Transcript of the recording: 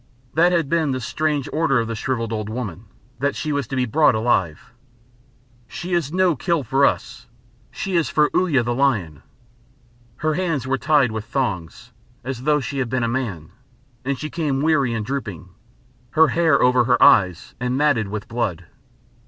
That had been the strange order of the shrivelled old woman, that she was to be brought alive "She is no kill for us. She is for Uya the Lion." Her hands were tied with thongs, as though she had been a man, and she came weary and drooping her hair over her eyes and matted with blood.